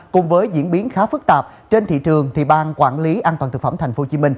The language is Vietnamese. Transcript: cùng với diễn biến khá phức tạp trên thị trường bang quản lý an toàn thực phẩm tp hcm